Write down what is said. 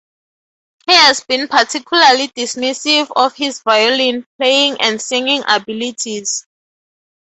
He has been particularly dismissive of his violin-playing and singing abilities.